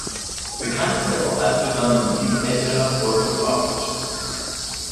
Bekannt ist er vor allem für seine Musik älterer "Europa"-Hörspiele.